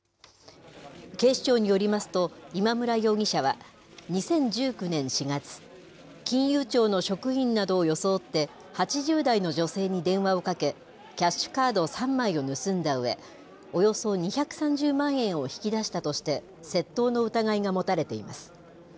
警視庁によりますと、今村容疑者は２０１９年４月、金融庁の職員などを装って８０代の女性に電話をかけ、キャッシュカード３枚を盗んだうえ、およそ２３０万円を引き出したとして、窃盗の疑いが持たれています。